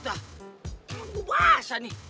tangguh basah nih